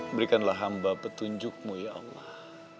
berikanlah hamba petunjukmu ya allah